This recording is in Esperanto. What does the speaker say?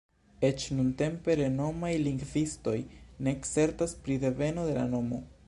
Eĉ nuntempe renomaj lingvistoj ne certas pri deveno de la nomo.